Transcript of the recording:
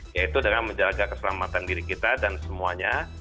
yaitu dengan menjaga keselamatan diri kita dan semuanya